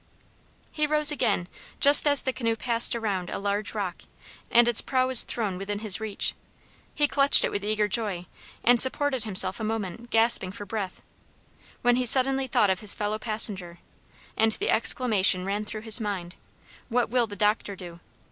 He rose again just as the canoe passed around a large rock, and its prow was thrown within his reach. He clutched it with eager joy, and supported himself a moment, gasping for breath, when he suddenly thought of his fellow passenger, and the exclamation ran through his mind, "What will the doctor do?"